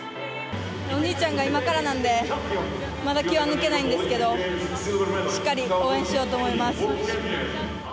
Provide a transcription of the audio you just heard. お兄ちゃんが今からなんで、まだ気は抜けないんですけれども、しっかり応援しようと思います。